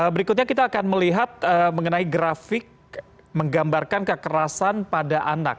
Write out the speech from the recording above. berikutnya kita akan melihat mengenai grafik menggambarkan kekerasan pada anak